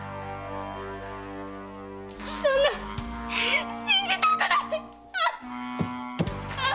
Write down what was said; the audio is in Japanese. そんな信じたくないっ！